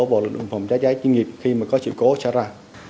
và lực lượng phòng cháy chữa cháy chuyên nghiệp khi có sự cố xảy ra